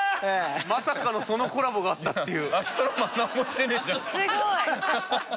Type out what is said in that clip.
まさかのそのコラボがあったっていう。